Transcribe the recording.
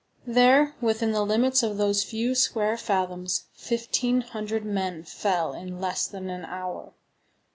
There, within the limits of those few square fathoms, fifteen hundred men fell in less than an hour.